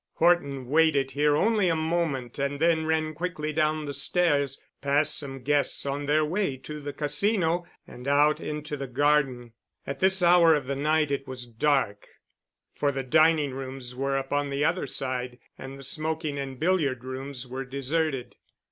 Horton waited here only a moment and then ran quickly down the stairs, past some guests on their way to the Casino, and out into the garden. At this hour of the night it was dark, for the dining rooms were upon the other side and the smoking and billiard rooms were deserted.